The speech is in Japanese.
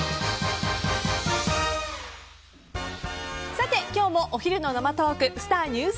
さて、今日もお昼の生トークスター☆